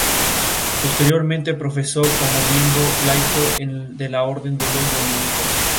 Ese premio recompensó su lucha desde hace varios años contra el fraude fiscal.